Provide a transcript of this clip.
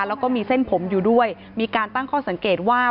แล้วก็มีเส้นผมอยู่ด้วยมีการตั้งข้อสังเกตว่า